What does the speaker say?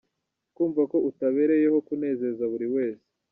Kumva ko utabereyeho kunezeza buri wese.